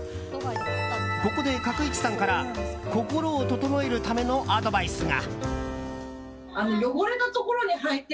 ここで角一さんから心を整えるためのアドバイスが。